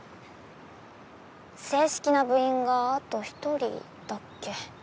正式な部員があと一人だっけ？